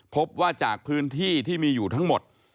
พบว่าจากพื้นที่ที่มีอยู่ทั้งหมด